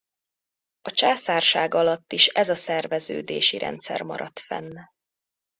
A császárság alatt is ez a szerveződési rendszer maradt fenn.